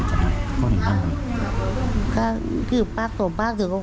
ส่งจากโปรดดีแอแต่นี่ก็เลือดหรือนี่